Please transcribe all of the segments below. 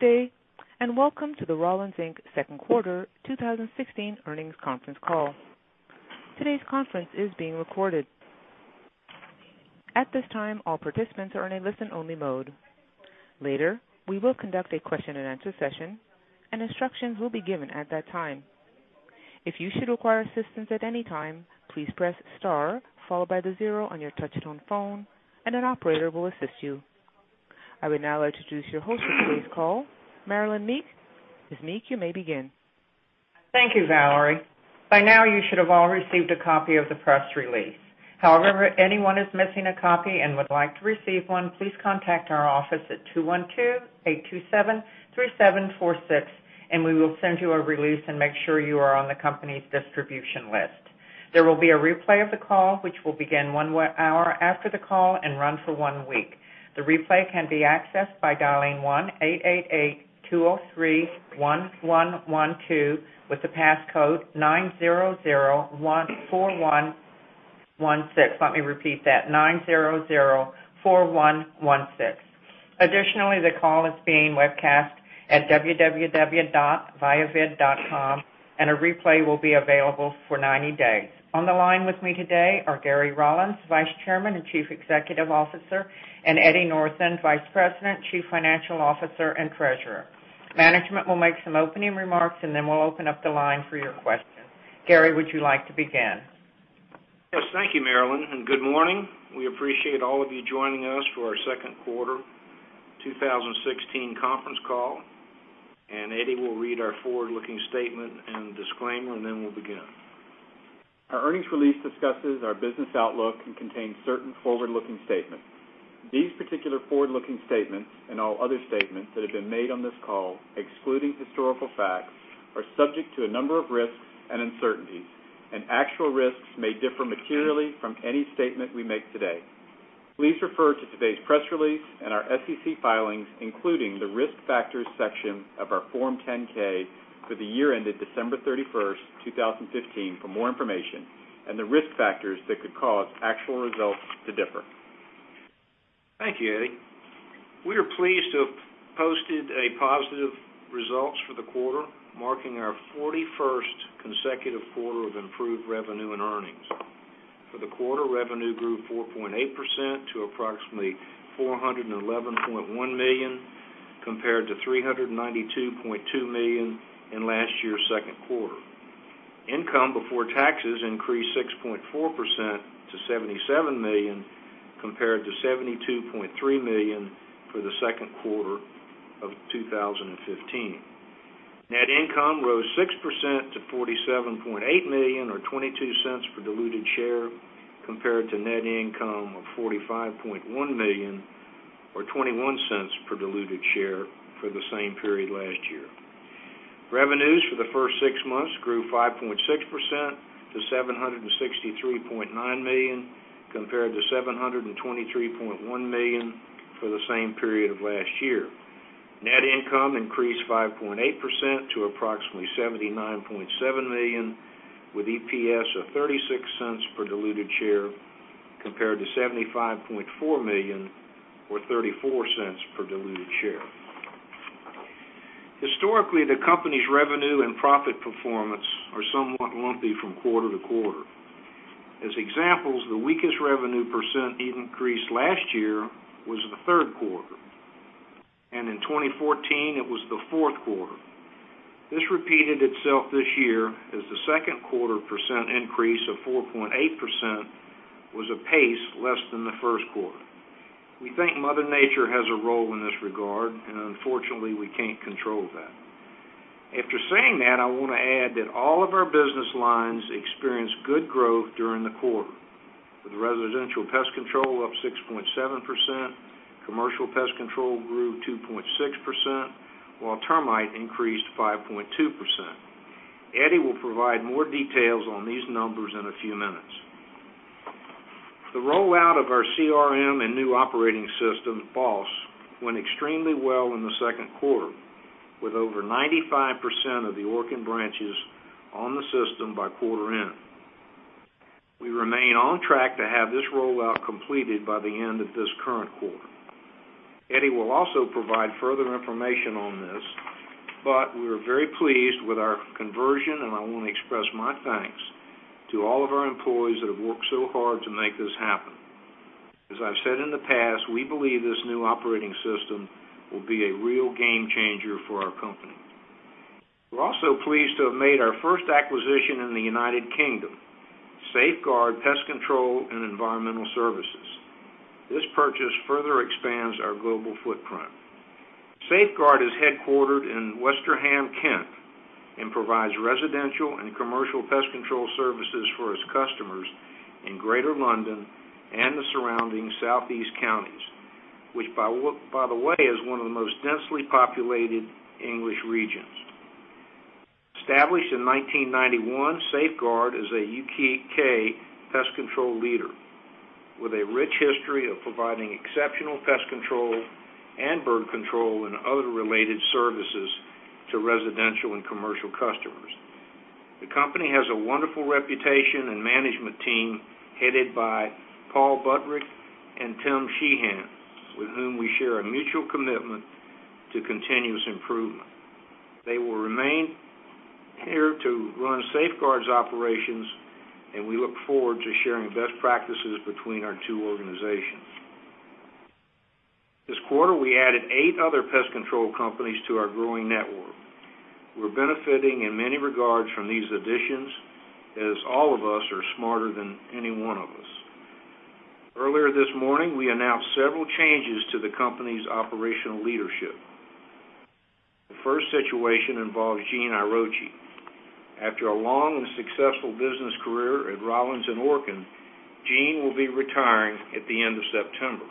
Good day, and welcome to the Rollins, Inc. second quarter 2016 earnings conference call. Today's conference is being recorded. At this time, all participants are in a listen-only mode. Later, we will conduct a question-and-answer session, and instructions will be given at that time. If you should require assistance at any time, please press star followed by the zero on your touch-tone phone, and an operator will assist you. I would now like to introduce your host for today's call, Marilynn Meek. Ms. Meek, you may begin. Thank you, Valerie. By now, you should have all received a copy of the press release. However, if anyone is missing a copy and would like to receive one, please contact our office at 212-827-3746, and we will send you a release and make sure you are on the company's distribution list. There will be a replay of the call, which will begin one hour after the call and run for one week. The replay can be accessed by dialing 1-888-203-1112 with the passcode 90014116. Let me repeat that, 9004116. Additionally, the call is being webcast at www.viavid.com, and a replay will be available for 90 days. On the line with me today are Gary Rollins, Vice Chairman and Chief Executive Officer, and Eddie Northen, Vice President, Chief Financial Officer, and Treasurer. Management will make some opening remarks, and then we'll open up the line for your questions. Gary, would you like to begin? Yes. Thank you, Marilynn, and good morning. We appreciate all of you joining us for our second quarter 2016 conference call. Eddie will read our forward-looking statement and disclaimer, and then we'll begin. Our earnings release discusses our business outlook and contains certain forward-looking statements. These particular forward-looking statements, and all other statements that have been made on this call excluding historical facts, are subject to a number of risks and uncertainties, and actual risks may differ materially from any statement we make today. Please refer to today's press release and our SEC filings, including the Risk Factors section of our Form 10-K for the year ended December 31st, 2015, for more information on the risk factors that could cause actual results to differ. Thank you, Eddie. We are pleased to have posted positive results for the quarter, marking our 41st consecutive quarter of improved revenue and earnings. For the quarter, revenue grew 4.8% to approximately $411.1 million, compared to $392.2 million in last year's second quarter. Income before taxes increased 6.4% to $77 million, compared to $72.3 million for the second quarter of 2015. Net income rose 6% to $47.8 million, or $0.22 per diluted share, compared to net income of $45.1 million, or $0.21 per diluted share for the same period last year. Revenues for the first six months grew 5.6% to $763.9 million, compared to $723.1 million for the same period of last year. Net income increased 5.8% to approximately $79.7 million, with EPS of $0.36 per diluted share, compared to $75.4 million or $0.34 per diluted share. Historically, the company's revenue and profit performance are somewhat lumpy from quarter to quarter. As examples, the weakest revenue percent increase last year was the third quarter, and in 2014, it was the fourth quarter. This repeated itself this year as the second quarter percent increase of 4.8% was a pace less than the first quarter. We think Mother Nature has a role in this regard, and unfortunately, we can't control that. After saying that, I want to add that all of our business lines experienced good growth during the quarter, with residential pest control up 6.7%, commercial pest control grew 2.6%, while termite increased 5.2%. Eddie will provide more details on these numbers in a few minutes. The rollout of our CRM and new operating system, BOSS, went extremely well in the second quarter, with over 95% of the Orkin branches on the system by quarter end. We remain on track to have this rollout completed by the end of this current quarter. Eddie will also provide further information on this, but we're very pleased with our conversion, and I want to express my thanks to all of our employees that have worked so hard to make this happen. As I've said in the past, we believe this new operating system will be a real game-changer for our company. We're also pleased to have made our first acquisition in the United Kingdom, Safeguard Pest Control & Environmental Services. This purchase further expands our global footprint. Safeguard is headquartered in Westerham, Kent, and provides residential and commercial pest control services for its customers in Greater London and the surrounding southeast counties, which, by the way, is one of the most densely populated English regions. Established in 1991, Safeguard is a U.K. pest control leader with a rich history of providing exceptional pest control and bird control and other related services to residential and commercial customers. The company has a wonderful reputation and management team headed by Paul Buttrick and Tim Sheehan, with whom we share a mutual commitment to continuous improvement. They will remain here to run Safeguard's operations, and we look forward to sharing best practices between our two organizations. This quarter, we added eight other pest control companies to our growing network. We're benefiting in many regards from these additions, as all of us are smarter than any one of us. Earlier this morning, we announced several changes to the company's operational leadership. The first situation involves Gene Iarocci. After a long and successful business career at Rollins and Orkin, Gene will be retiring at the end of September.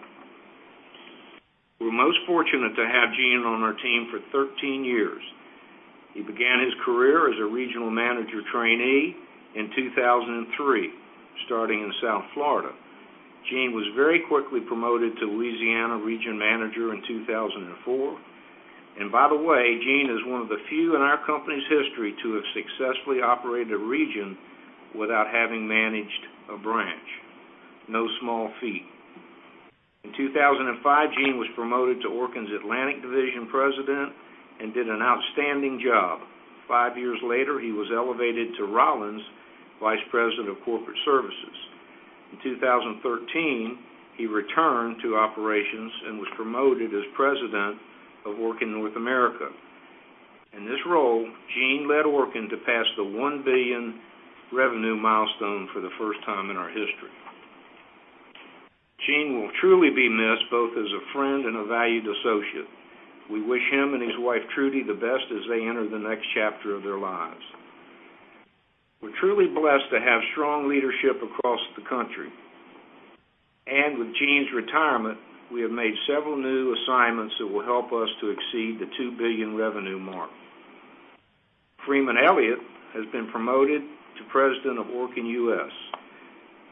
We're most fortunate to have Gene on our team for 13 years. He began his career as a regional manager trainee in 2003, starting in South Florida. Gene was very quickly promoted to Louisiana Region Manager in 2004. By the way, Gene is one of the few in our company's history to have successfully operated a region without having managed a branch. No small feat. In 2005, Gene was promoted to Orkin's Atlantic Division President and did an outstanding job. Five years later, he was elevated to Rollins Vice President of Corporate Services. In 2013, he returned to operations and was promoted as President of Orkin North America. In this role, Gene led Orkin to pass the $1 billion revenue milestone for the first time in our history. Gene will truly be missed, both as a friend and a valued associate. We wish him and his wife, Trudy, the best as they enter the next chapter of their lives. We're truly blessed to have strong leadership across the country. With Gene's retirement, we have made several new assignments that will help us to exceed the $2 billion revenue mark. Freeman Elliott has been promoted to President of Orkin U.S.,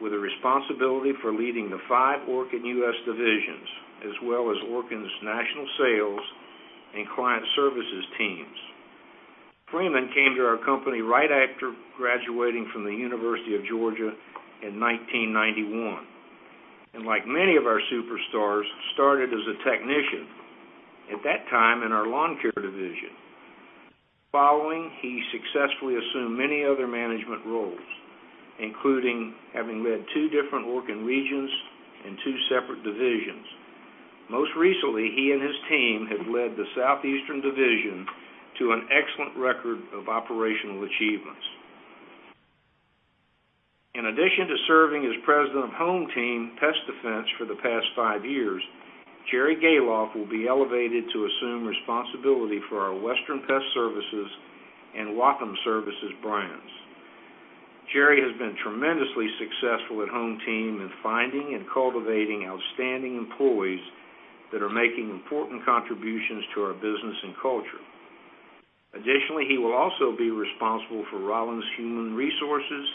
with the responsibility for leading the five Orkin U.S. divisions, as well as Orkin's national sales and client services teams. Freeman came to our company right after graduating from the University of Georgia in 1991, and like many of our superstars, started as a technician, at that time in our lawn care division. Following, he successfully assumed many other management roles, including having led two different Orkin regions and two separate divisions. Most recently, he and his team have led the Southeastern Division to an excellent record of operational achievements. In addition to serving as President of HomeTeam Pest Defense for the past five years, Jerry Gahlhoff will be elevated to assume responsibility for our Western Pest Services and Waltham Services brands. Jerry has been tremendously successful at HomeTeam in finding and cultivating outstanding employees that are making important contributions to our business and culture. Additionally, he will also be responsible for Rollins Human Resources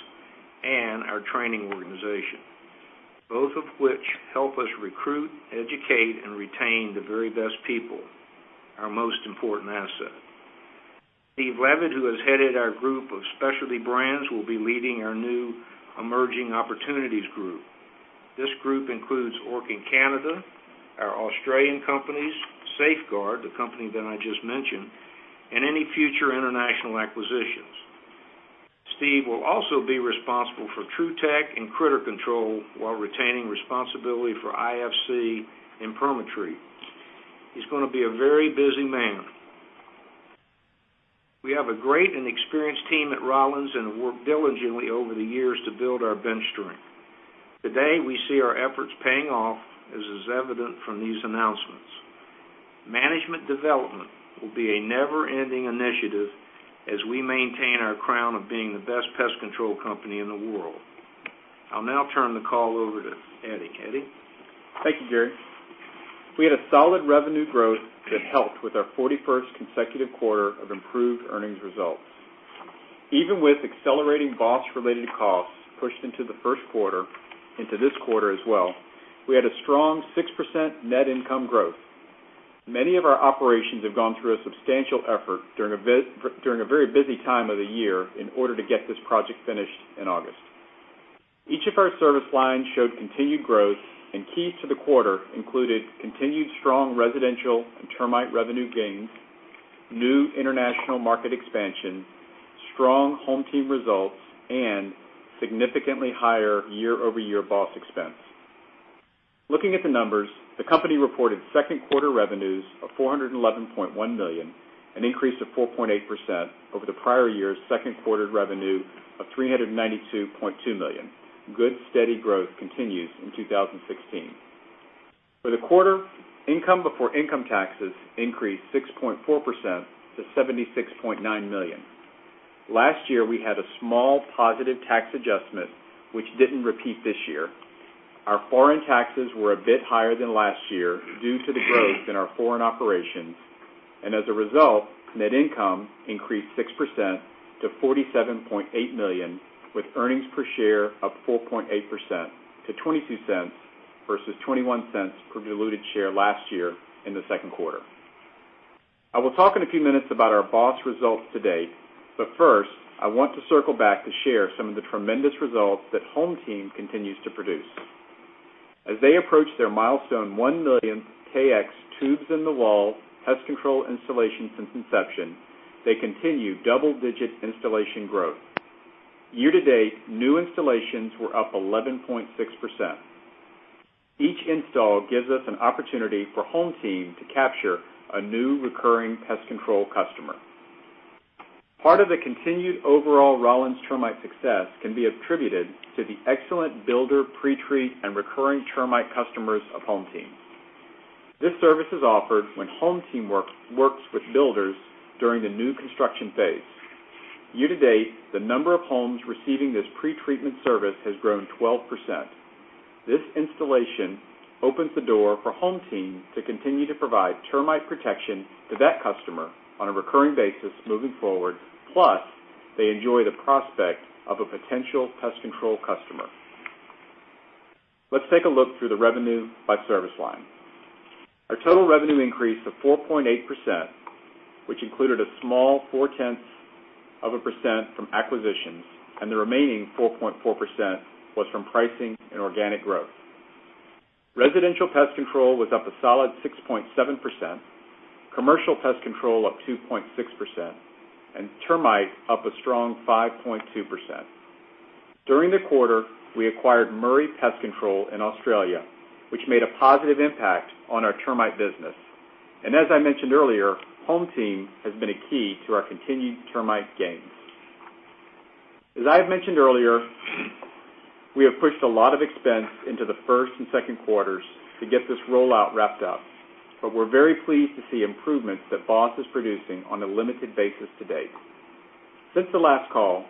and our training organization, both of which help us recruit, educate, and retain the very best people, our most important asset. Steve Leavitt, who has headed our group of specialty brands, will be leading our new emerging opportunities group. This group includes Orkin Canada, our Australian companies, Safeguard, the company that I just mentioned, and any future international acquisitions. Steve will also be responsible for Trutech and Critter Control while retaining responsibility for IFC and PermaTreat. He's gonna be a very busy man. We have a great and experienced team at Rollins and have worked diligently over the years to build our bench strength. Today, we see our efforts paying off, as is evident from these announcements. Management development will be a never-ending initiative as we maintain our crown of being the best pest control company in the world. I'll now turn the call over to Eddie. Eddie? Thank you, Gary. We had a solid revenue growth that helped with our 41st consecutive quarter of improved earnings results. Even with accelerating BOSS-related costs pushed into the first quarter into this quarter as well, we had a strong 6% net income growth. Many of our operations have gone through a substantial effort during a very busy time of the year in order to get this project finished in August. Keys to the quarter included continued strong residential and termite revenue gains, new international market expansion, strong HomeTeam results, and significantly higher year-over-year BOSS expense. Looking at the numbers, the company reported second quarter revenues of $411.1 million, an increase of 4.8% over the prior year's second quarter revenue of $392.2 million. Good, steady growth continues in 2016. For the quarter, income before income taxes increased 6.4% to $76.9 million. Last year, we had a small positive tax adjustment, which didn't repeat this year. Our foreign taxes were a bit higher than last year due to the growth in our foreign operations. As a result, net income increased 6% to $47.8 million, with earnings per share up 4.8% to $0.22 versus $0.21 per diluted share last year in the second quarter. I will talk in a few minutes about our BOSS results to date. First, I want to circle back to share some of the tremendous results that HomeTeam continues to produce. As they approach their milestone 1 million Taexx tubes in the wall pest control installation since inception, they continue double-digit installation growth. Year-to-date, new installations were up 11.6%. Each install gives us an opportunity for HomeTeam to capture a new recurring pest control customer. Part of the continued overall Rollins Termite success can be attributed to the excellent builder pre-treat and recurring termite customers of HomeTeam. This service is offered when HomeTeam works with builders during the new construction phase. Year-to-date, the number of homes receiving this pre-treatment service has grown 12%. This installation opens the door for HomeTeam to continue to provide termite protection to that customer on a recurring basis moving forward. They enjoy the prospect of a potential pest control customer. Let's take a look through the revenue by service line. Our total revenue increased to 4.8%, which included a small four-tenths of a percent from acquisitions. The remaining 4.4% was from pricing and organic growth. Residential pest control was up a solid 6.7%, commercial pest control up 2.6%, termite up a strong 5.2%. During the quarter, we acquired Murray Pest Control in Australia, which made a positive impact on our termite business. As I mentioned earlier, HomeTeam has been a key to our continued termite gains. As I have mentioned earlier, we have pushed a lot of expense into the first and second quarters to get this rollout wrapped up, but we're very pleased to see improvements that BOSS is producing on a limited basis to date. Since the last call,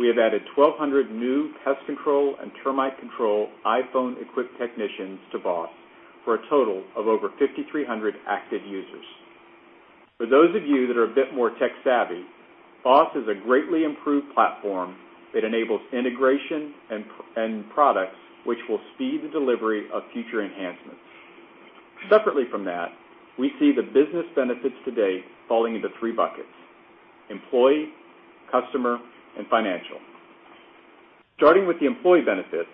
we have added 1,200 new pest control and termite control iPhone-equipped technicians to BOSS, for a total of over 5,300 active users. For those of you that are a bit more tech-savvy, BOSS is a greatly improved platform that enables integration and products which will speed the delivery of future enhancements. Separately from that, we see the business benefits to date falling into three buckets: employee, customer, and financial. Starting with the employee benefits,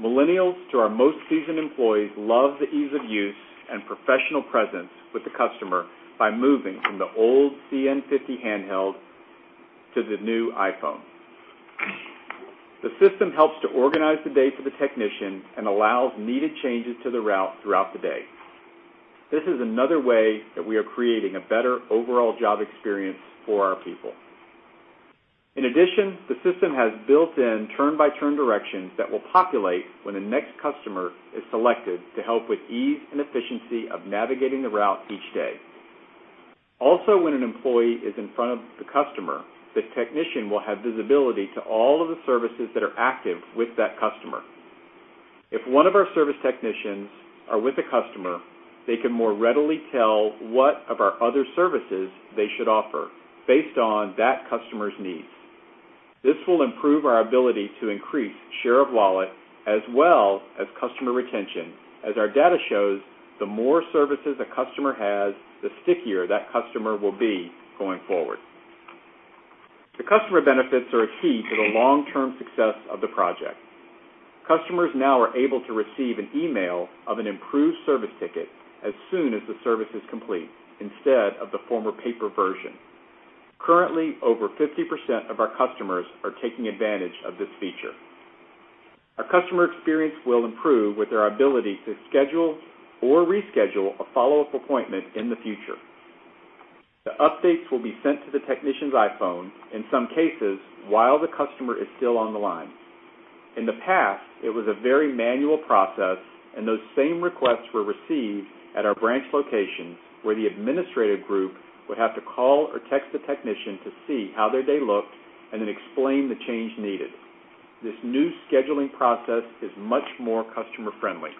millennials to our most seasoned employees love the ease of use and professional presence with the customer by moving from the old CN50 handheld to the new iPhone. The system helps to organize the day for the technician and allows needed changes to the route throughout the day. This is another way that we are creating a better overall job experience for our people. In addition, the system has built-in turn-by-turn directions that will populate when the next customer is selected to help with ease and efficiency of navigating the route each day. Also, when an employee is in front of the customer, the technician will have visibility to all of the services that are active with that customer. If one of our service technicians are with a customer, they can more readily tell what of our other services they should offer based on that customer's needs. This will improve our ability to increase share of wallet as well as customer retention. As our data shows, the more services a customer has, the stickier that customer will be going forward. The customer benefits are a key to the long-term success of the project. Customers now are able to receive an email of an improved service ticket as soon as the service is complete, instead of the former paper version. Currently, over 50% of our customers are taking advantage of this feature. Our customer experience will improve with our ability to schedule or reschedule a follow-up appointment in the future. The updates will be sent to the technician's iPhone, in some cases, while the customer is still on the line. In the past, it was a very manual process, and those same requests were received at our branch locations, where the administrative group would have to call or text the technician to see how their day looked and then explain the change needed. This new scheduling process is much more customer-friendly.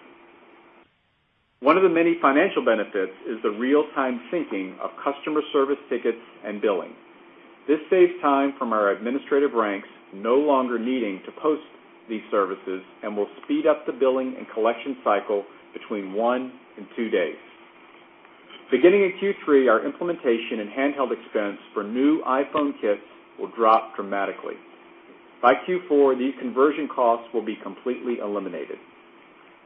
One of the many financial benefits is the real-time syncing of customer service tickets and billing. This saves time from our administrative ranks no longer needing to post these services and will speed up the billing and collection cycle between one and two days. Beginning in Q3, our implementation and handheld expense for new iPhone kits will drop dramatically. By Q4, these conversion costs will be completely eliminated.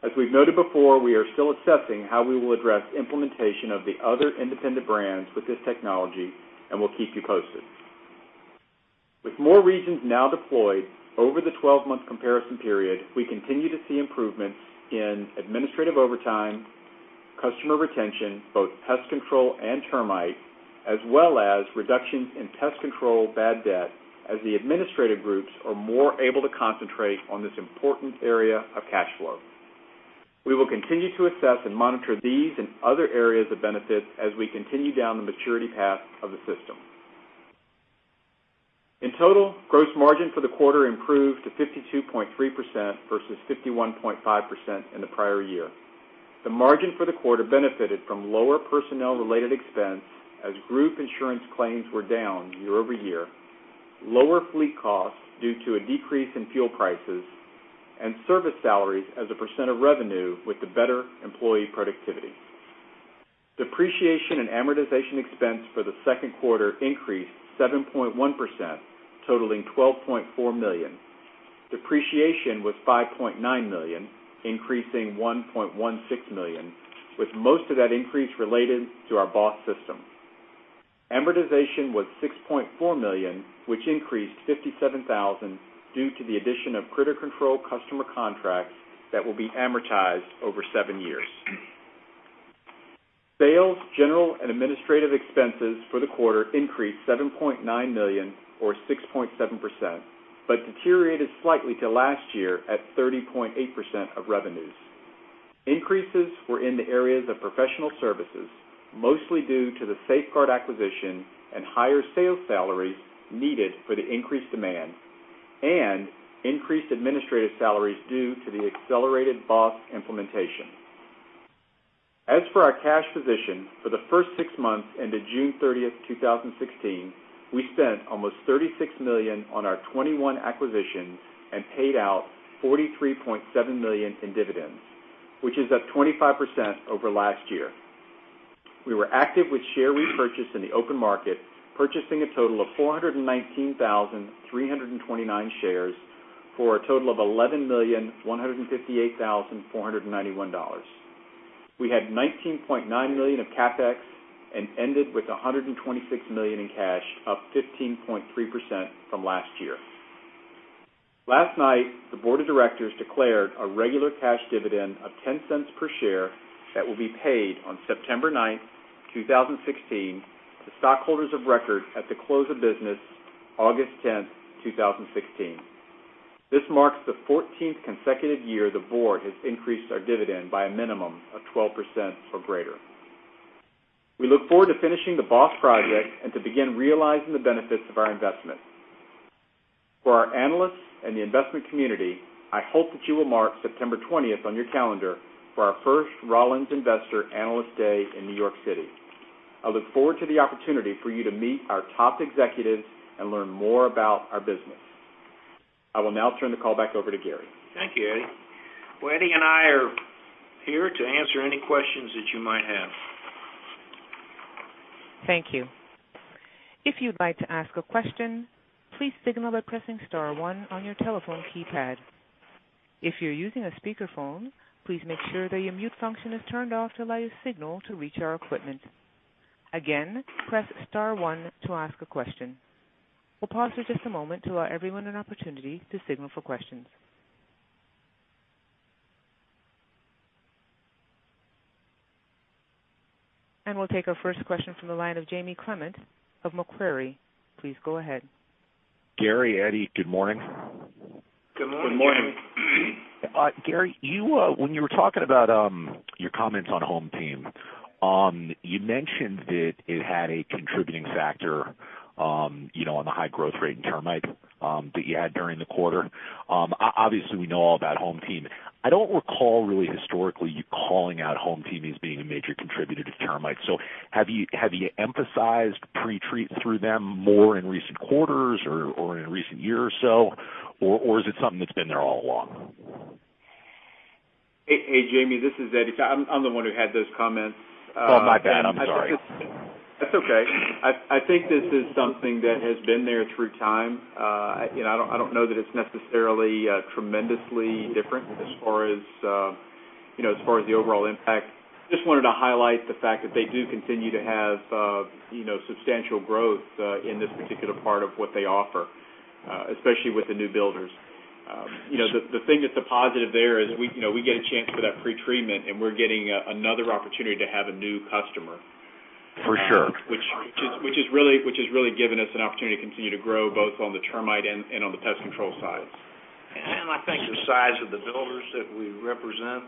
As we've noted before, we are still assessing how we will address implementation of the other independent brands with this technology, and we'll keep you posted. With more regions now deployed over the 12-month comparison period, we continue to see improvements in administrative overtime, customer retention, both pest control and termite, as well as reductions in pest control bad debt, as the administrative groups are more able to concentrate on this important area of cash flow. We will continue to assess and monitor these and other areas of benefits as we continue down the maturity path of the system. In total, gross margin for the quarter improved to 52.3% versus 51.5% in the prior year. The margin for the quarter benefited from lower personnel-related expense as group insurance claims were down year-over-year, lower fleet costs due to a decrease in fuel prices. Service salaries as a percent of revenue with the better employee productivity. Depreciation and amortization expense for the second quarter increased 7.1%, totaling $12.4 million. Depreciation was $5.9 million, increasing $1.16 million, with most of that increase related to our BOSS system. Amortization was $6.4 million, which increased $57,000 due to the addition of critical customer contracts that will be amortized over seven years. Sales, general, and administrative expenses for the quarter increased $7.9 million or 6.7%, but deteriorated slightly to last year at 30.8% of revenues. Increases were in the areas of professional services, mostly due to the Safeguard acquisition and higher sales salaries needed for the increased demand, and increased administrative salaries due to the accelerated BOSS implementation. As for our cash position, for the first six months ended June 30, 2016, we spent almost $36 million on our 21 acquisitions and paid out $43.7 million in dividends, which is up 25% over last year. We were active with share repurchase in the open market, purchasing a total of 419,329 shares for a total of $11,158,491. We had $19.9 million of CapEx and ended with $126 million in cash, up 15.3% from last year. Last night, the board of directors declared a regular cash dividend of $0.10 per share that will be paid on September 9th, 2016 to stockholders of record at the close of business August 10th, 2016. This marks the 14th consecutive year the board has increased our dividend by a minimum of 12% or greater. We look forward to finishing the BOSS project and to begin realizing the benefits of our investment. For our analysts and the investment community, I hope that you will mark September 20th on your calendar for our first Rollins Investor Day in New York City. I look forward to the opportunity for you to meet our top executives and learn more about our business. I will now turn the call back over to Gary. Thank you, Eddie. Well, Eddie and I are here to answer any questions that you might have. Thank you. If you'd like to ask a question, please signal by pressing *1 on your telephone keypad. If you're using a speakerphone, please make sure that your mute function is turned off to allow your signal to reach our equipment. Again, press *1 to ask a question. We'll pause for just a moment to allow everyone an opportunity to signal for questions. We'll take our first question from the line of James Clement of Macquarie. Please go ahead. Gary, Eddie, good morning. Good morning. Good morning. Gary, when you were talking about your comments on HomeTeam, you mentioned that it had a contributing factor on the high growth rate in termite that you had during the quarter. Obviously, we know all about HomeTeam. I don't recall really historically you calling out HomeTeam as being a major contributor to termites. Have you emphasized pre-treat through them more in recent quarters or in the recent year or so, or is it something that's been there all along? Hey, Jamie. This is Eddie. I'm the one who had those comments. Oh, my bad. I'm sorry. Wanted to highlight the fact that they do continue to have substantial growth in this particular part of what they offer, especially with the new builders. The thing that's a positive there is we get a chance for that pre-treatment, and we're getting another opportunity to have a new customer. For sure. Which has really given us an opportunity to continue to grow both on the termite and on the pest control side. I think the size of the builders that we represent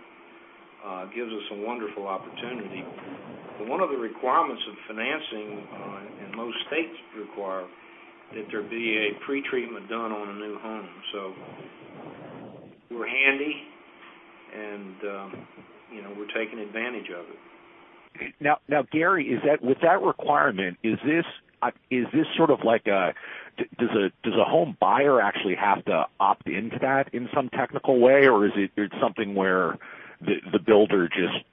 gives us a wonderful opportunity. One of the requirements of financing in most states require that there be a pre-treatment done on a new home. We're handy, and we're taking advantage of it. Gary, with that requirement, does a home buyer actually have to opt into that in some technical way, or is it something where the builder just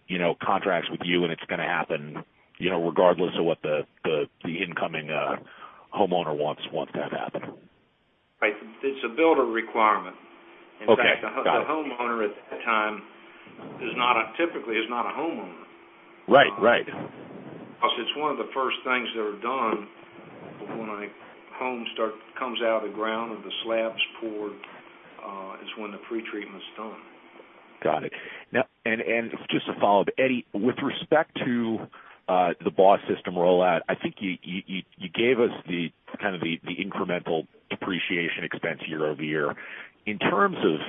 contracts with you, and it's going to happen regardless of what the incoming homeowner wants to have happen? It's a builder requirement. Okay. Got it. The homeowner at that time, typically, is not a homeowner. Right. It's one of the first things that are done when a home comes out of the ground or the slab's poured, is when the pre-treatment's done. Got it. Just to follow up, Eddie, with respect to the BOSS system rollout, I think you gave us the incremental depreciation expense year-over-year. In terms of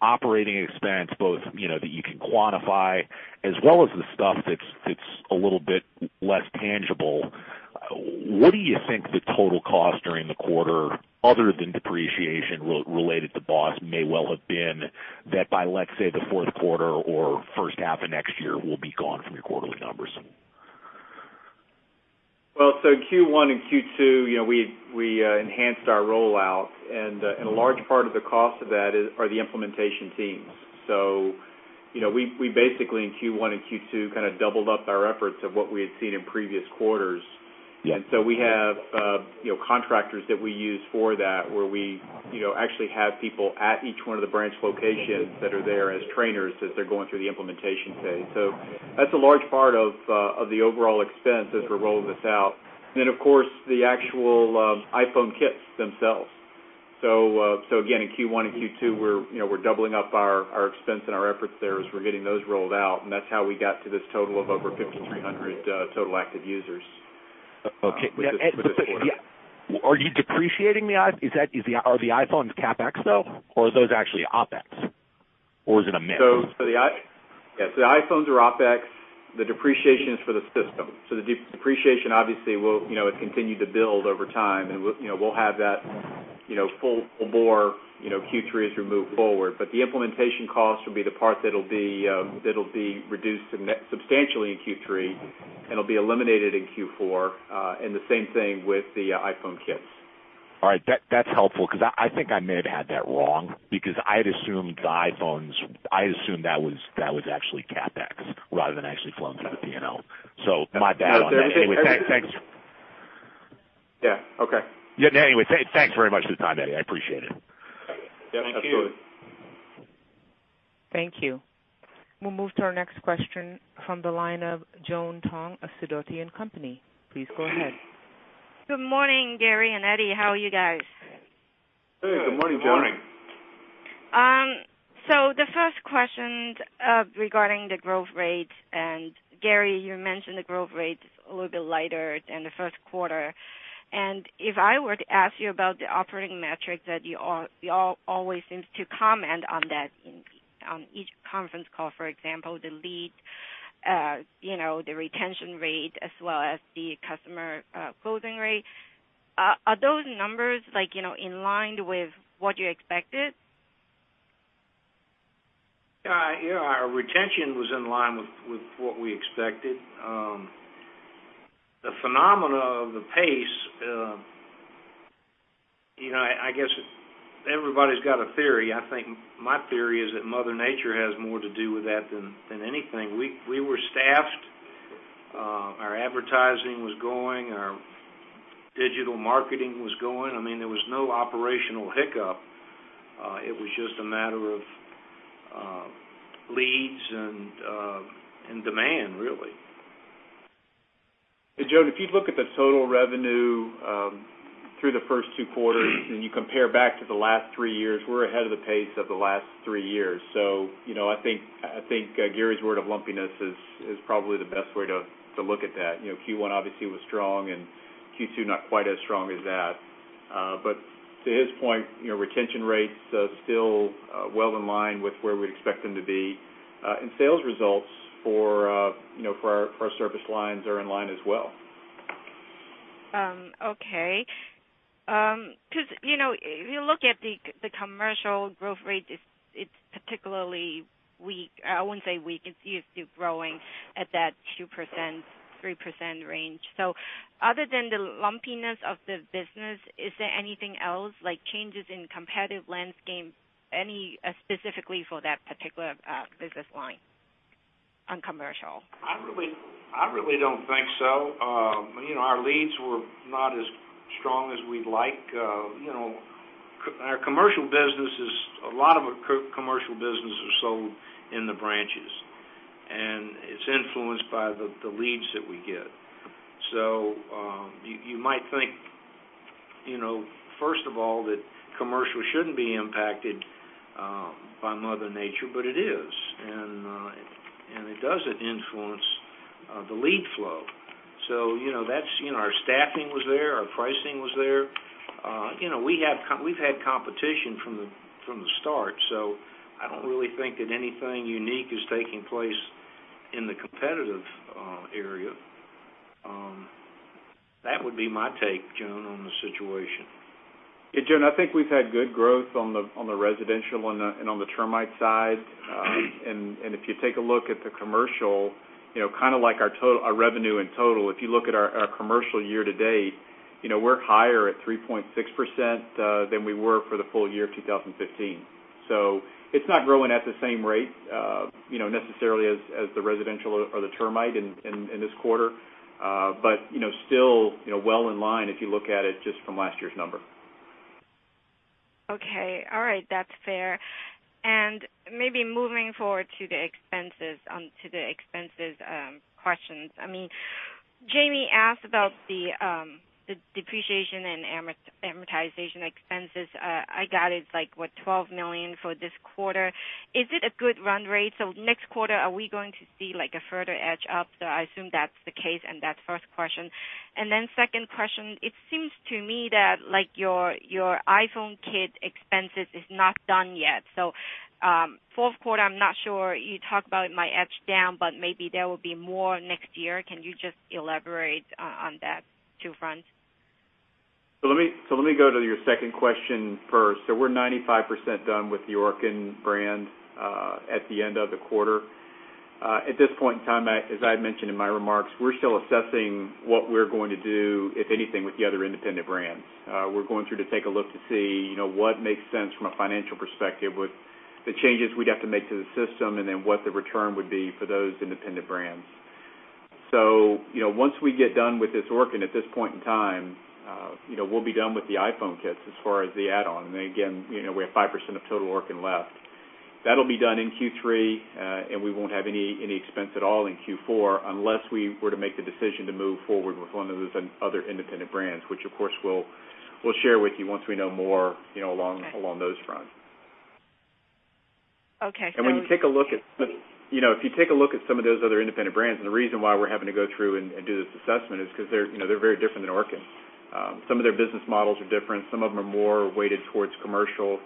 operating expense, both that you can quantify as well as the stuff that's a little bit less tangible, what do you think the total cost during the quarter, other than depreciation related to BOSS, may well have been that by, let's say, the fourth quarter or first half of next year, will be gone from your quarterly numbers? Q1 and Q2, we enhanced our rollout, a large part of the cost of that are the implementation teams. We basically, in Q1 and Q2, kind of doubled up our efforts of what we had seen in previous quarters. Yes. We have contractors that we use for that, where we actually have people at each one of the branch locations that are there as trainers as they're going through the implementation phase. That's a large part of the overall expense as we're rolling this out. Of course, the actual iPhone kits themselves. Again, in Q1 and Q2, we're doubling up our expense and our efforts there as we're getting those rolled out, and that's how we got to this total of over 5,300 total active users. Okay. Are the iPhones CapEx, though? Are those actually OpEx? Is it a mix? Yes. The iPhones are OpEx. The depreciation is for the system. The depreciation obviously will continue to build over time, and we'll have that full bore Q3 as we move forward. The implementation cost will be the part that'll be reduced substantially in Q3, and it'll be eliminated in Q4. The same thing with the iPhone kits. All right. That's helpful, because I think I may have had that wrong, because I'd assumed the iPhones, I assumed that was actually CapEx rather than actually flowing through the P&L. My bad on that. Anyway, thanks. Yeah. Okay. Yeah. Anyway, thanks very much for the time, Eddie. I appreciate it. Yeah, thank you. Thank you. We'll move to our next question from the line of Joan Tong of Sidoti & Company. Please go ahead. Good morning, Gary and Eddie. How are you guys? Hey, good morning, Joan. Good morning. The first question regarding the growth rate, Gary, you mentioned the growth rate is a little bit lighter than the first quarter. If I were to ask you about the operating metric that you always seem to comment on that on each conference call, for example, the lead, the retention rate as well as the customer closing rate, are those numbers in line with what you expected? Yeah. Our retention was in line with what we expected. The phenomena of the pace, I guess everybody's got a theory. I think my theory is that Mother Nature has more to do with that than anything. We were staffed. Our advertising was going. Our digital marketing was going. There was no operational hiccup. It was just a matter of leads and demand, really. Joan, if you look at the total revenue through the first two quarters, and you compare back to the last three years, we're ahead of the pace of the last three years. I think Gary's word of lumpiness is probably the best way to look at that. Q1 obviously was strong. Q2 not quite as strong as that. To his point, retention rates are still well in line with where we'd expect them to be. Sales results for our service lines are in line as well. Okay. If you look at the commercial growth rate, it's particularly weak. I wouldn't say weak. It's still growing at that 2%-3% range. Other than the lumpiness of the business, is there anything else, like changes in competitive landscape, specifically for that particular business line on commercial? I really don't think so. Our leads were not as strong as we'd like. A lot of our commercial business is sold in the branches. It's influenced by the leads that we get. You might think, first of all, that commercial shouldn't be impacted by Mother Nature. It is. It does influence the lead flow. Our staffing was there, our pricing was there. We've had competition from the start. I don't really think that anything unique is taking place in the competitive area. That would be my take, Joan, on the situation. Joan, I think we've had good growth on the residential and on the termite side. If you take a look at the commercial, kind of like our revenue in total, if you look at our commercial year to date, we're higher at 3.6% than we were for the full year 2015. It's not growing at the same rate necessarily as the residential or the termite in this quarter. Still well in line if you look at it just from last year's number. Okay. All right. That's fair. Maybe moving forward to the expenses question. Jamie asked about the depreciation and amortization expenses. I got it's like, what, $12 million for this quarter. Is it a good run rate? Next quarter, are we going to see a further edge up? I assume that's the case, and that's the first question. Second question, it seems to me that your iPhone kit expenses is not done yet. Fourth quarter, I'm not sure. You talked about it might edge down, but maybe there will be more next year. Can you just elaborate on that two fronts? Let me go to your second question first. We're 95% done with the Orkin brand at the end of the quarter. At this point in time, as I had mentioned in my remarks, we're still assessing what we're going to do, if anything, with the other independent brands. We're going through to take a look to see what makes sense from a financial perspective with the changes we'd have to make to the system, and then what the return would be for those independent brands. Once we get done with this Orkin at this point in time, we'll be done with the iPhone kits as far as the add-on. Again, we have 5% of total Orkin left. That'll be done in Q3, and we won't have any expense at all in Q4 unless we were to make the decision to move forward with one of those other independent brands, which of course we'll share with you once we know more along those fronts. Okay. If you take a look at some of those other independent brands, the reason why we're having to go through and do this assessment is because they're very different than Orkin. Some of their business models are different. Some of them are more weighted towards commercial,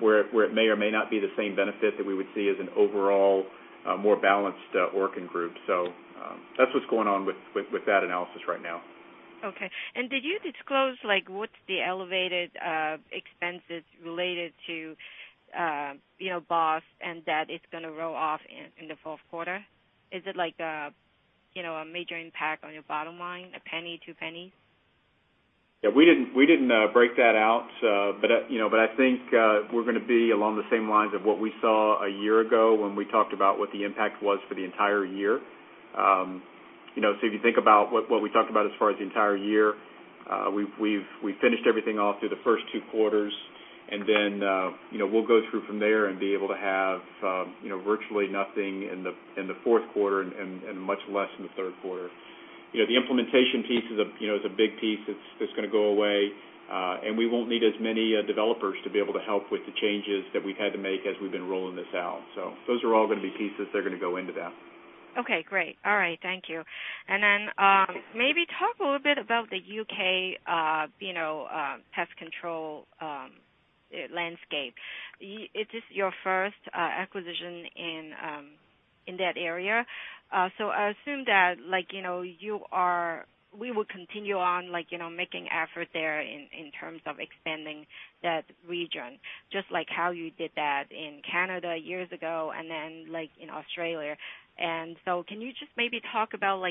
where it may or may not be the same benefit that we would see as an overall more balanced Orkin group. That's what's going on with that analysis right now. Okay. Did you disclose what the elevated expenses related to BOSS and that it's going to roll off in the fourth quarter? Is it a major impact on your bottom line, $0.01, $0.02? Yeah, we didn't break that out. I think we're going to be along the same lines of what we saw a year ago when we talked about what the impact was for the entire year. If you think about what we talked about as far as the entire year, we've finished everything off through the first two quarters, then we'll go through from there and be able to have virtually nothing in the fourth quarter and much less in the third quarter. The implementation piece is a big piece that's going to go away. We won't need as many developers to be able to help with the changes that we've had to make as we've been rolling this out. Those are all going to be pieces that are going to go into that. Okay, great. All right. Thank you. Then maybe talk a little bit about the U.K. pest control landscape. It is your first acquisition in that area. I assume that we will continue on making effort there in terms of expanding that region, just like how you did that in Canada years ago and then in Australia. Can you just maybe talk about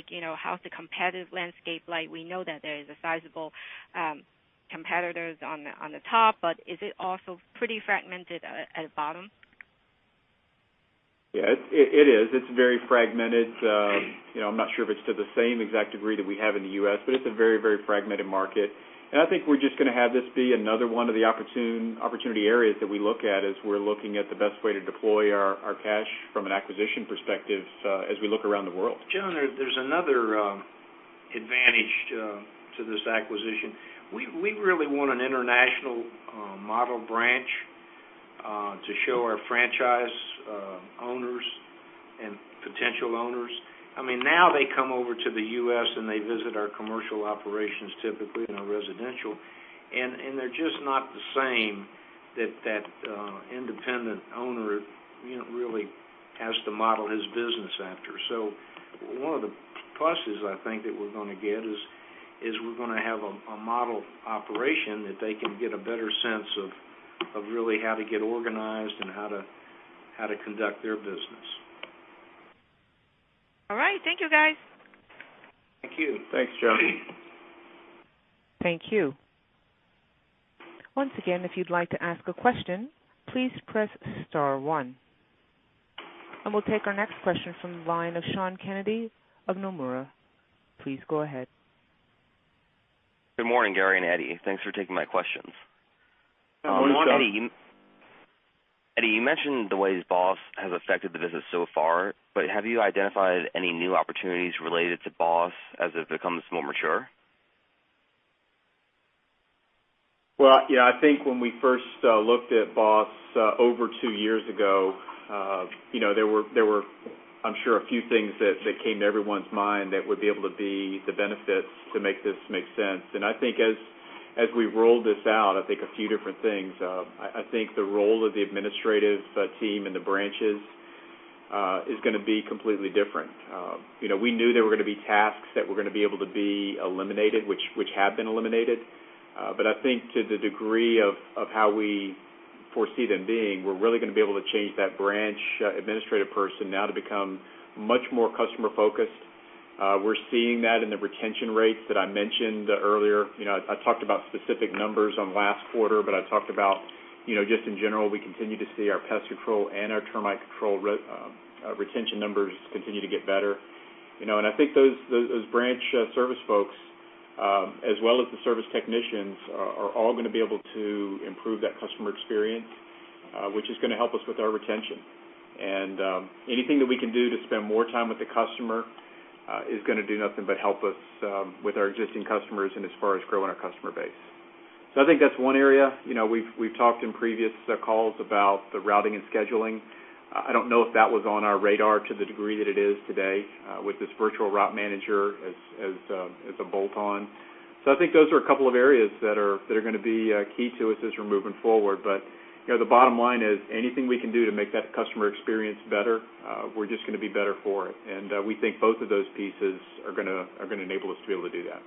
how's the competitive landscape like? We know that there is a sizable competitors on the top, but is it also pretty fragmented at the bottom? Yeah, it is. It's very fragmented. I'm not sure if it's to the same exact degree that we have in the U.S., but it's a very fragmented market. I think we're just going to have this be another one of the opportunity areas that we look at as we're looking at the best way to deploy our cash from an acquisition perspective as we look around the world. Joan, there's another advantage to this acquisition. We really want an international model branch to show our franchise owners and potential owners. Now they come over to the U.S., and they visit our commercial operations, typically in a residential. They're just not the same that that independent owner really has to model his business after. One of the pluses I think that we're going to get is we're going to have a model operation that they can get a better sense of really how to get organized and how to conduct their business. All right. Thank you, guys. Thank you. Thanks, Joan. Thank you. Once again, if you'd like to ask a question, please press star one. We'll take our next question from the line of Sean Kennedy of Nomura. Please go ahead. Good morning, Gary and Eddie. Thanks for taking my questions. Good morning, Sean. Eddie, you mentioned the ways BOSS has affected the business so far. Have you identified any new opportunities related to BOSS as it becomes more mature? Well, yeah, I think when we first looked at BOSS over two years ago, there were, I'm sure, a few things that came to everyone's mind that would be able to be the benefits to make this make sense. I think as we roll this out, I think a few different things. I think the role of the administrative team and the branches is going to be completely different. We knew there were going to be tasks that were going to be able to be eliminated, which have been eliminated. I think to the degree of how we foresee them being, we're really going to be able to change that branch administrative person now to become much more customer-focused. We're seeing that in the retention rates that I mentioned earlier. I talked about specific numbers on last quarter, I talked about just in general, we continue to see our pest control and our termite control retention numbers continue to get better. I think those branch service folks, as well as the service technicians, are all going to be able to improve that customer experience, which is going to help us with our retention. Anything that we can do to spend more time with the customer is going to do nothing but help us with our existing customers and as far as growing our customer base. I think that's one area. We've talked in previous calls about the routing and scheduling. I don't know if that was on our radar to the degree that it is today with this virtual route manager as a bolt-on. I think those are a couple of areas that are going to be key to us as we're moving forward. The bottom line is anything we can do to make that customer experience better, we're just going to be better for it. We think both of those pieces are going to enable us to be able to do that.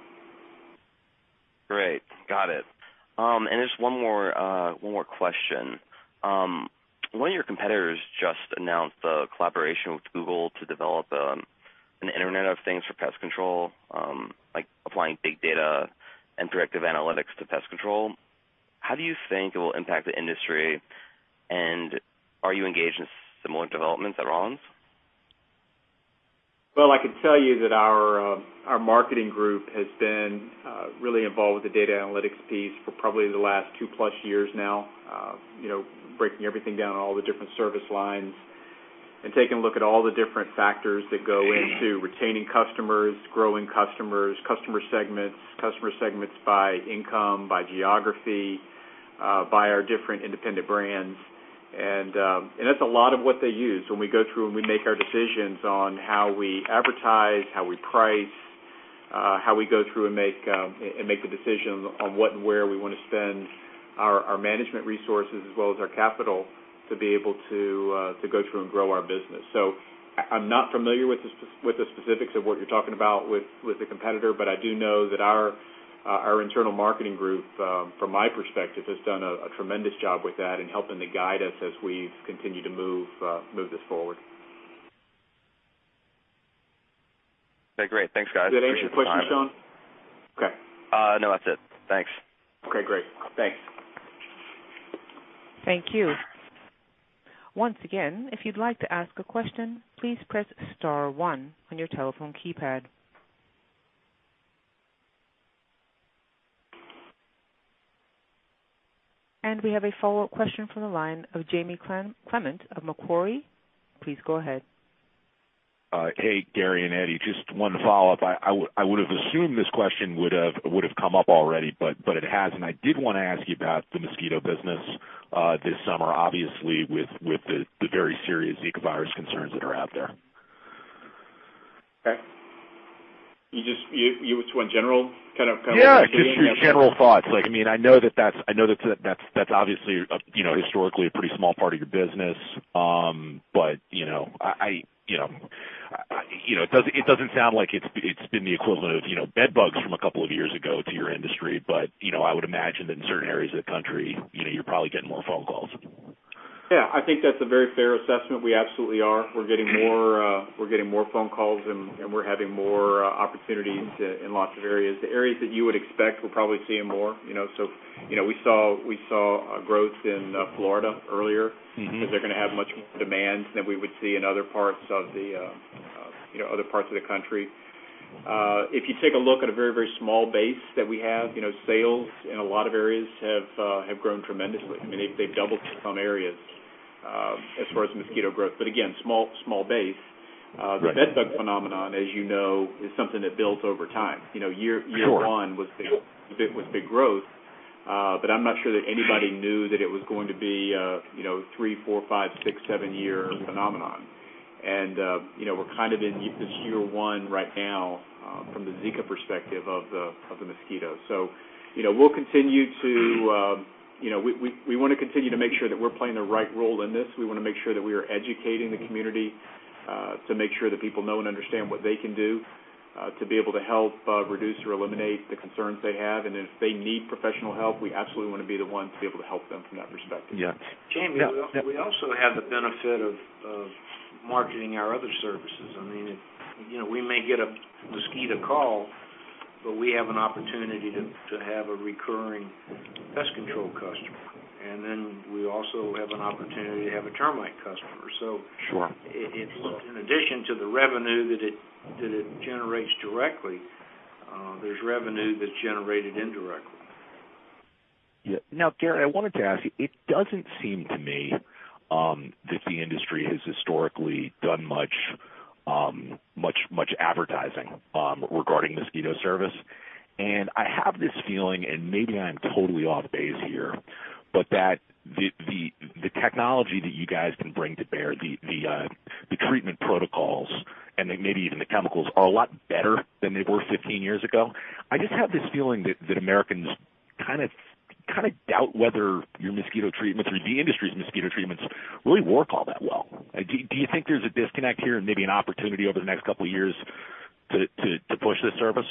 Great. Got it. Just one more question. One of your competitors just announced a collaboration with Google to develop an Internet of things for pest control, applying big data and predictive analytics to pest control. How do you think it will impact the industry, and are you engaged in similar developments at Rollins? Well, I can tell you that our marketing group has been really involved with the data analytics piece for probably the last two-plus years now. Breaking everything down, all the different service lines, and taking a look at all the different factors that go into retaining customers, growing customers, customer segments, customer segments by income, by geography, by our different independent brands. That's a lot of what they use when we go through and we make our decisions on how we advertise, how we price, how we go through and make the decision on what and where we want to spend our management resources as well as our capital to be able to go through and grow our business. I'm not familiar with the specifics of what you're talking about with the competitor, but I do know that our internal marketing group, from my perspective, has done a tremendous job with that and helping to guide us as we continue to move this forward. Okay, great. Thanks, guys. Did that answer your question, Sean? Okay. No, that's it. Thanks. Okay, great. Thanks. Thank you. Once again, if you'd like to ask a question, please press star one on your telephone keypad. We have a follow-up question from the line of Jamie Clement of Macquarie. Please go ahead. Hey, Gary and Eddie, just one follow-up. I would have assumed this question would have come up already, but it hasn't. I did want to ask you about the mosquito business this summer, obviously, with the very serious Zika virus concerns that are out there. Okay. You just want general kind of- Just your general thoughts. I know that's obviously historically a pretty small part of your business. It doesn't sound like it's been the equivalent of bedbugs from a couple of years ago to your industry. I would imagine that in certain areas of the country, you're probably getting more phone calls. I think that's a very fair assessment. We absolutely are. We're getting more phone calls, and we're having more opportunities in lots of areas. The areas that you would expect, we're probably seeing more. We saw a growth in Florida earlier because they're going to have much more demands than we would see in other parts of the country. If you take a look at a very, very small base that we have, sales in a lot of areas have grown tremendously. They've doubled in some areas as far as mosquito growth. Again, small base. Right. The bedbug phenomenon, as you know, is something that builds over time. Sure. Year one was big growth, but I'm not sure that anybody knew that it was going to be a three, four, five, six, seven-year phenomenon. We're kind of in this year one right now from the Zika perspective of the mosquito. We want to continue to make sure that we're playing the right role in this. We want to make sure that we are educating the community to make sure that people know and understand what they can do to be able to help reduce or eliminate the concerns they have. If they need professional help, we absolutely want to be the ones to be able to help them from that perspective. Yeah. Jamie, we also have the benefit of marketing our other services. We may get a mosquito call, but we have an opportunity to have a recurring pest control customer. We also have an opportunity to have a termite customer. Sure. In addition to the revenue that it generates directly, there's revenue that's generated indirectly. Yeah. Now, Gary, I wanted to ask you, it doesn't seem to me that the industry has historically done much advertising regarding mosquito service. I have this feeling, and maybe I'm totally off base here, but that the technology that you guys can bring to bear, the treatment protocols, and then maybe even the chemicals, are a lot better than they were 15 years ago. I just have this feeling that Americans kind of doubt whether your mosquito treatments or the industry's mosquito treatments really work all that well. Do you think there's a disconnect here and maybe an opportunity over the next couple of years to push this service?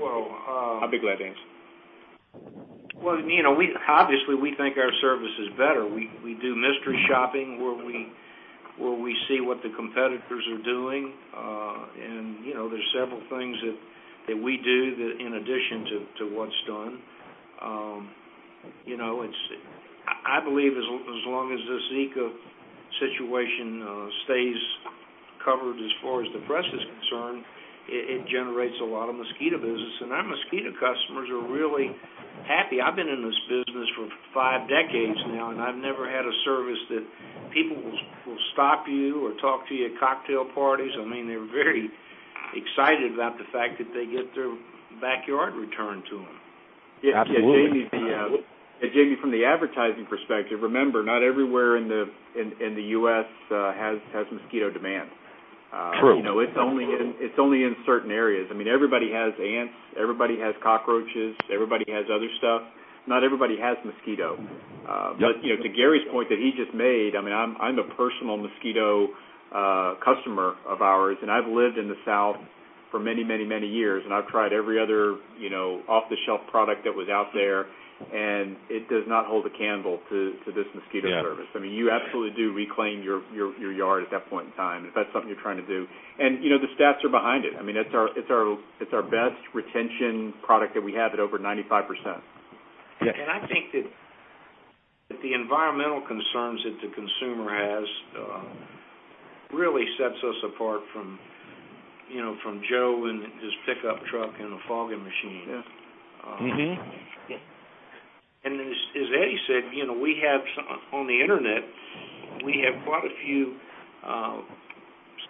Well- I'll be glad to answer. Well, obviously, we think our service is better. We do mystery shopping where we see what the competitors are doing. There's several things that we do that in addition to what's done. I believe as long as this Zika situation stays covered as far as the press is concerned, it generates a lot of mosquito business. Our mosquito customers are really happy. I've been in this business for five decades now, and I've never had a service that people will stop you or talk to you at cocktail parties. They're very excited about the fact that they get their backyard returned to them. Absolutely. Yeah. Jamie, from the advertising perspective, remember, not everywhere in the U.S. has mosquito demand. True. It's only in certain areas. Everybody has ants, everybody has cockroaches, everybody has other stuff. Not everybody has mosquito. Yes. To Gary's point that he just made, I'm a personal mosquito customer of ours, and I've lived in the South for many, many, many years, and I've tried every other off-the-shelf product that was out there, and it does not hold a candle to this mosquito service. Yeah. You absolutely do reclaim your yard at that point in time, if that's something you're trying to do. The stats are behind it. It's our best retention product that we have at over 95%. Yes. I think that the environmental concerns that the consumer has really sets us apart from Joe in his pickup truck and a fogging machine. Yeah. As Eddie said, on the internet, we have quite a few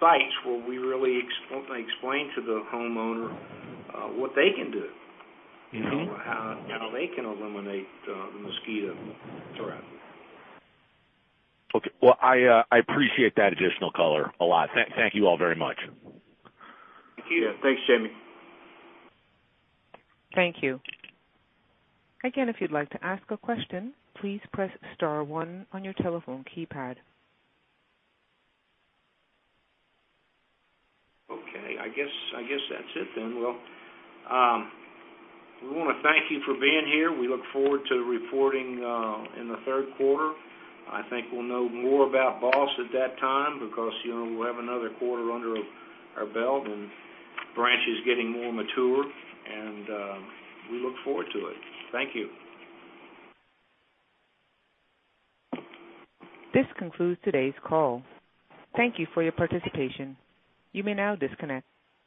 sites where we really explain to the homeowner what they can do. How they can eliminate the mosquito threat. Okay. Well, I appreciate that additional color a lot. Thank you all very much. Thank you. Yeah. Thanks, Jamie. Thank you. If you'd like to ask a question, please press star one on your telephone keypad. I guess that's it. Well, we want to thank you for being here. We look forward to reporting in the third quarter. I think we'll know more about BOSS at that time because we'll have another quarter under our belt, and branch is getting more mature, and we look forward to it. Thank you. This concludes today's call. Thank you for your participation. You may now disconnect.